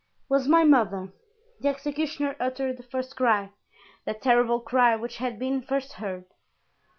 "Was my mother!" The executioner uttered the first cry, that terrible cry which had been first heard.